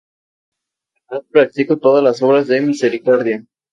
En verdad, practicó todas las obras de misericordia.